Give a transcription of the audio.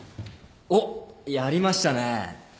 おっやりましたね。